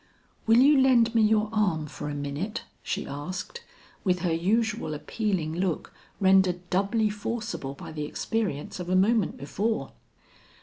"Will you lend me your arm for a minute?" she asked, with her usual appealing look rendered doubly forcible by the experience of a moment before.